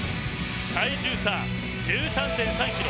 体重差、１３．３ｋｇ。